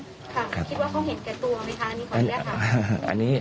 คิดว่าเขาเห็นแก่ตัวไหมคะ